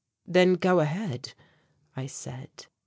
"Then go ahead," I said.